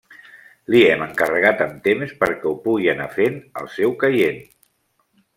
Li hem encarregat amb temps perquè ho pugui anar fent al seu caient.